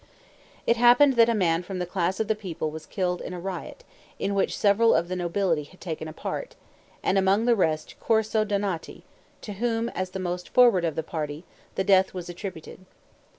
It happened that a man from the class of the people was killed in a riot, in which several of the nobility had taken a part, and among the rest Corso Donati, to whom, as the most forward of the party, the death was attributed.